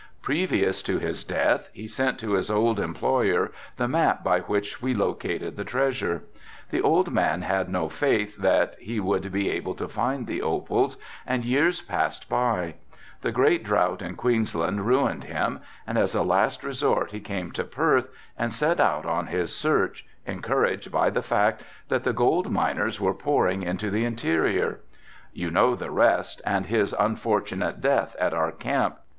Previous to his death he sent to his old employer the map by which we located the treasure. The old man had no faith that he would be able to find the opals and years passed by. The great drought in Queensland ruined him and as a last resort he came to Perth and set out on his search, encouraged by the fact that the gold miners were pouring into the interior. You know the rest and his unfortunate death at our camp.